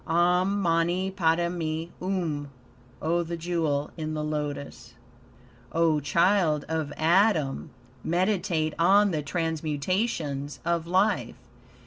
"Om Mani Padme Um." (Oh the jewel in the lotus.) O child of Adam! Meditate on the transmutations of life.